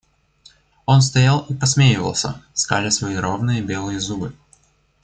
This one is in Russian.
Он стоял и посмеивался, скаля свои ровные белые зубы.